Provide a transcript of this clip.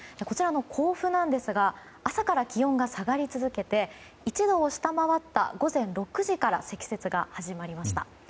こちらの甲府ですが朝から気温が下がり続けて１度を下回った午前６時から積雪が始まりました。